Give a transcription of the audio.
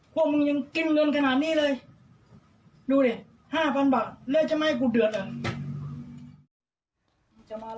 พวกมึงยังกินเงินขนาดนี้เลยดูดิ๕๐๐บาทแล้วจะไม่ให้กูเดือดอ่ะ